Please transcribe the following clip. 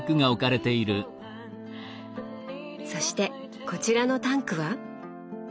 そしてこちらのタンクは？